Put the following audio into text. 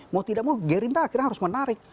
mau tidak mau gerindra akhirnya harus menarik